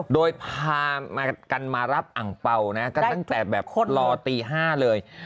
โดยพากันมารับอังเปล่าตั้งแต่รอตี๕เลย